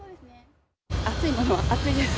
暑いものは暑いです。